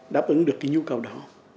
được cái nhu cầu đó